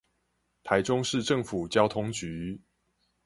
臺中市政府交通局